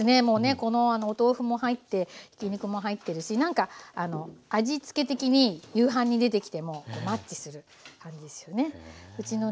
このお豆腐も入ってひき肉も入ってるしなんか味付け的に夕飯に出てきてもマッチする感じですよね。